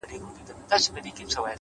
فکر د انسان داخلي نړۍ جوړوي’